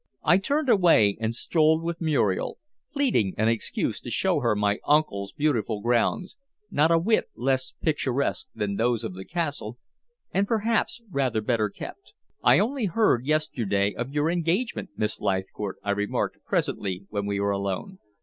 I turned away and strolled with Muriel, pleading an excuse to show her my uncle's beautiful grounds, not a whit less picturesque than those of the castle, and perhaps rather better kept. "I only heard yesterday of your engagement, Miss Leithcourt," I remarked presently when we were alone.